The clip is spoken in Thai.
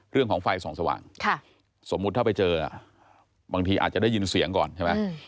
เรื่องของไฟส่องสว่างสมมุติถ้าไปเจอบางทีอาจจะได้ยินเสียงก่อนใช่ไหม